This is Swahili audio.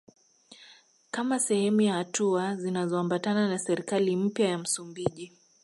Kama sehemu ya hatua zinazoambatana na serikali mpya ya Msumbiji